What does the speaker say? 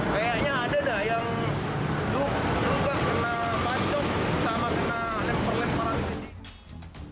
kayaknya ada dah yang juga kena macuk sama kena lemper lemperan